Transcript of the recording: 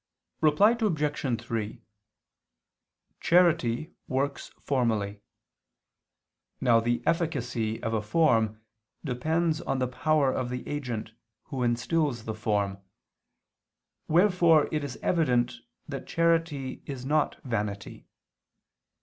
Reply Obj. 3: Charity works formally. Now the efficacy of a form depends on the power of the agent, who instills the form, wherefore it is evident that charity is not vanity.